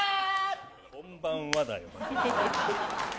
こんばんは、だよ。